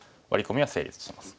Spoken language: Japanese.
込みは成立します。